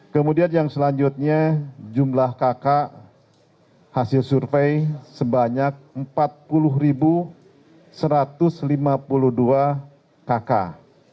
kemudian yang selanjutnya jumlah kakak hasil survei sebanyak empat puluh satu ratus lima puluh dua kakak